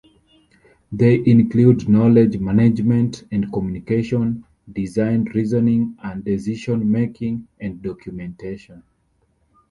They include knowledge management and communication, design reasoning and decision making, and documentation.